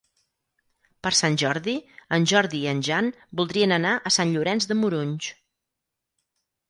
Per Sant Jordi en Jordi i en Jan voldrien anar a Sant Llorenç de Morunys.